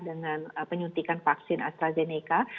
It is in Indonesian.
dengan penyuntikan vaksin astrazeneca